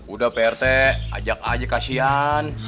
udah prt ajak aja kasihan